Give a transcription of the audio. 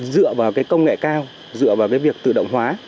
dựa vào cái công nghệ cao dựa vào cái việc tự động hóa